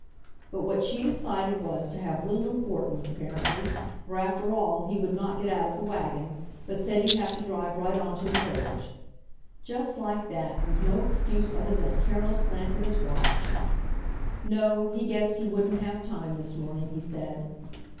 But what she decided was to have little importance, apparently, for after all he would not get out of the wagon, but said he'd have to drive right on to the village. Just like that, with no excuse other than a careless glance at his watch. No, he guessed he wouldn't have time, this morning, he said.